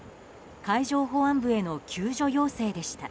海上保安部への救助要請でした。